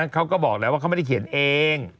เขาก็บอกแล้วว่าเขาไม่ได้เขียนเอง